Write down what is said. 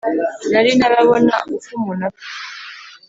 nari ntarabona uko umuntu apfa